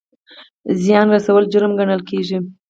زیان رسول جرم ګڼل کیږي